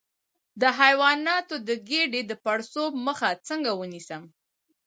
د حیواناتو د ګیډې د پړسوب مخه څنګه ونیسم؟